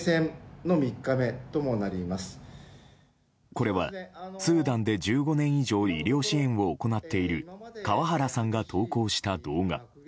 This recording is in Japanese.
これは、スーダンで１５年以上医療支援を行っている川原さんが投稿した動画。